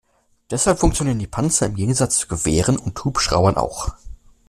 Deshalb funktionieren die Panzer im Gegensatz zu Gewehren und Hubschraubern auch.